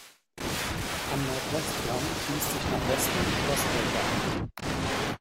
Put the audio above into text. Am Nordwestturm schließt sich nach Westen die Schlosskirche an.